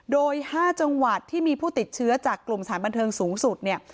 โดย๕จังหวัดที่มีผู้ติดเชื้อจากกลุ่มสถานบันเทิงสูงสุดเนี่ย